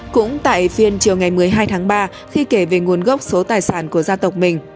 cũng tại phiên chiều ngày một mươi hai tháng ba khi kể về nguồn gốc số tài sản của gia tộc mình